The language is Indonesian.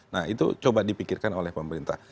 nah itu coba dipikirkan oleh pemerintah